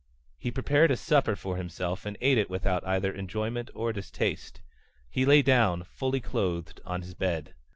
He prepared a supper for himself and ate it without either enjoyment or distaste. He lay down, fully clothed, on his bed.